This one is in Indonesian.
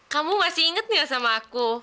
kamu masih inget nggak sama aku